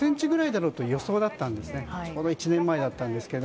ちょうど１年前だったんですけど。